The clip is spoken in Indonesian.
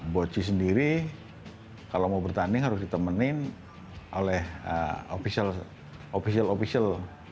bohcia sendiri kalau mau bertanding harus ditemenin oleh ofisial ofisial